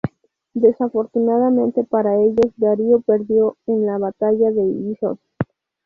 Desafortunadamente para ellos, Darío perdió en la batalla de Issos.